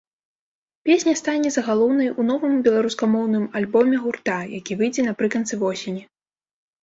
Песня стане загалоўнай у новым беларускамоўным альбоме гурта, які выйдзе напрыканцы восені.